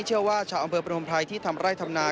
เชื่อว่าชาวอำเบอร์พนมไพรที่ทำไร่ธรรมนา